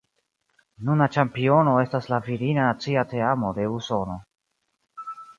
Nuna ĉampiono estas la virina nacia teamo de Usono.